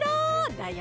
だよ。